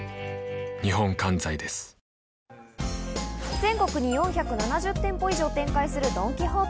全国に４７０店舗以上を展開するドン・キホーテ。